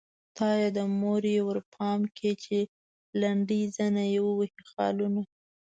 خدايه د مور يې ورته پام کړې چې په لنډۍ زنه يې ووهي خالونه